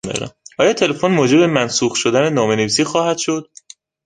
آیا تلفن موجب منسوخ شدن نامهنویسی خواهد شد؟